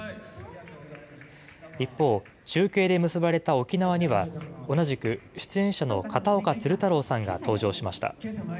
一方、中継で結ばれた沖縄には、同じく出演者の片岡鶴太郎さんが登場しました。